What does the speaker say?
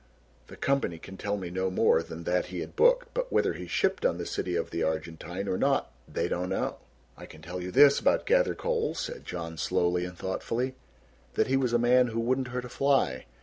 The company can tell me no more than that he had booked, but whether he shipped on the City of the Argentine or not, they do not know." "I can tell you this about Gathercole," said John slowly and thoughtfully, "that he was a man who would not hurt a fly.